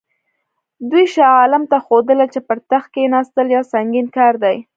دوی شاه عالم ته ښودله چې پر تخت کښېنستل یو سنګین کار دی.